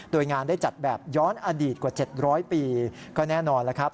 โดยงานได้จัดแบบย้อนอดีตกว่า๗๐๐ปีก็แน่นอนแล้วครับ